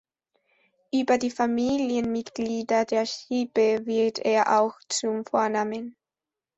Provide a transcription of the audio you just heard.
Über die Familienmitglieder der Sippe wird er auch zum Vornamen.